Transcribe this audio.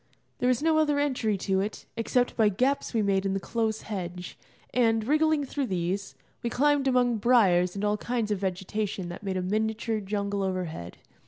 There was no other entry to it except by gaps we made in the close hedge, and, wriggling through these, we climbed among briars and all kinds of vegetation that made a miniature jungle overhead.